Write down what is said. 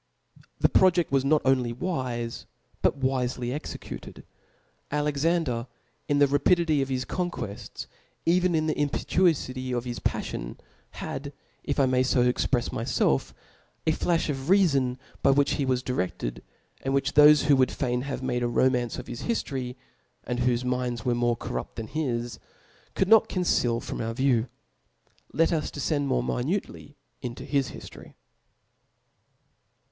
The projeft was not only wife, but wifely exe cutedL Alexander, in the rapidity of his conquefts, even in the impetuofity of his paffion, had, if I may fo exprefs myfelf,^ a flalh of rcafon by whicb he was dire^ed, and whfch thofe wha would fain have made a romance of his hiilory, and whofe minds were more corrupt than his, could not con ceal from our view. Let us defcend more mimnc ly into his hiftory.